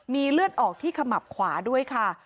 มีเลือดออกที่ขมับขวาด้วยค่ะ